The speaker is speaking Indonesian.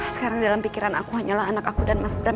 sekarang dalam pikiran aku hanyalah anak aku dan master